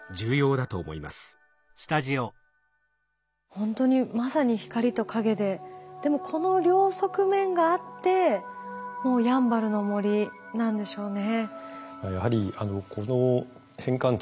ほんとにまさに光と影ででもこの両側面があってやんばるの森なんでしょうね。